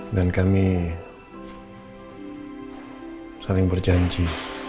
dan kami saling berjanji